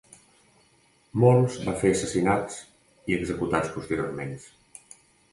Molts va fer assassinats i executats posteriorment.